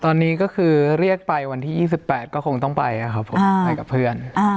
ตอนนี้ก็คือเรียกไปวันที่๒๘ก็คงต้องไปครับผมไปกับเพื่อน